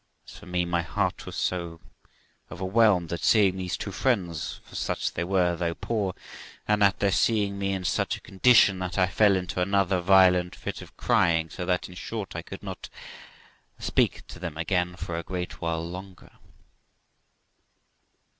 As for me, my heart was so overwhelmed at sesing these two friends for such they were, though poor and at their seeing me in such a condition, that I fell into another violent fit of crying, so that, in short, I could not speak to them again for a great while longer.